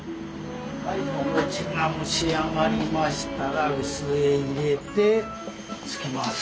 お餅が蒸し上がりましたら臼へ入れてつきます。